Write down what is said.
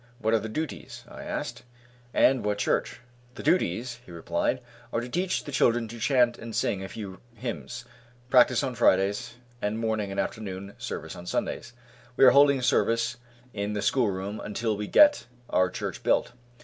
"What are the duties?" asked I, "and what church?" "The duties," he replied, "are to teach the children to chant and sing a few hymns, practice on Fridays, and morning and afternoon service on Sundays. We are holding service in the schoolroom until we get our church built.